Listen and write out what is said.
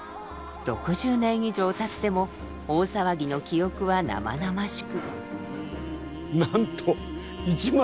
６０年以上たっても大騒ぎの記憶は生々しく。